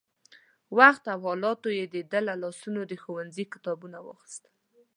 وخت او حالاتو يې د ده له لاسونو د ښوونځي کتابونه واخيستل.